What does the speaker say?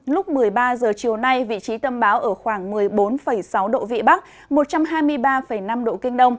lúc một mươi ba h chiều nay vị trí tâm bão ở khoảng một mươi bốn sáu độ vĩ bắc một trăm hai mươi ba năm độ kinh đông